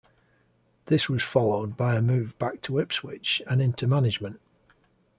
This was followed by a move back to Ipswich and into management.